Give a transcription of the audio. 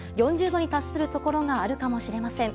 ４０度に達するところがあるかもしれません。